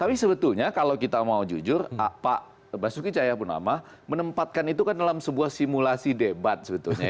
tapi sebetulnya kalau kita mau jujur pak basuki cahayapunama menempatkan itu kan dalam sebuah simulasi debat sebetulnya